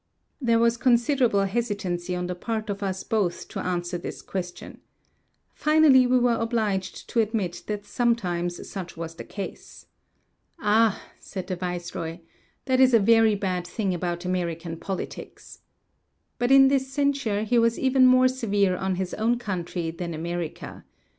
There was considerable hesitancy on the part of us both to answer this question. Finally we were obliged to admit that sometimes such was the case. "Ah," said the viceroy, "that is a very bad thing about American politics." But in this censure he was even more severe on his own country than America.